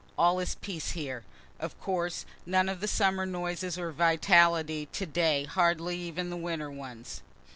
All is peace here. Of course, none of the summer noises or vitality; to day hardly even the winter ones.